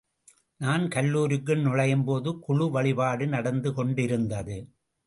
நான் கல்லூரிக்குள் நுழையும்போது குழு வழிபாடு நடந்து கொண்டிருந்தது.